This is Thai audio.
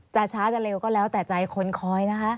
ช้าจะเร็วก็แล้วแต่ใจคนคอยนะคะ